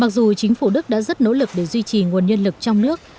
mặc dù chính phủ đức đã rất nỗ lực để duy trì nguồn nhân lực trong nước